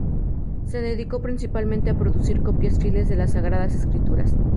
Se dedicó principalmente a producir copias fieles de las Sagradas Escrituras.